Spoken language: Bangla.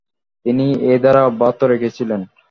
তিনি এ ধারা অব্যাহত রেখেছিলেন।